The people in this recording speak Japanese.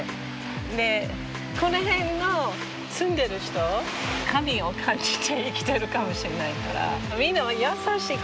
この辺の住んでる人神を感じて生きてるかもしんないからみんな優しい。